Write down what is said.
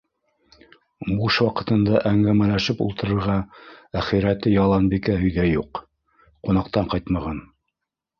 Буш ваҡытында әңгәмәләшеп ултырырға әхирәте Яланбикә өйҙә юҡ, ҡунаҡтан ҡайтмаған.